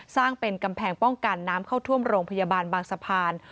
สร้างเป็นกำแพงป้องกันน้ำเข้าท่วมโรงพยาบาลบางสะพาน